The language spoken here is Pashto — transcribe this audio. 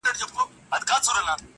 د موږك او د پيشو په منځ كي څه دي.!